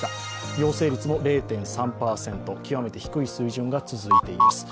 陽性率も０．３％、極めて低い水準か続いています。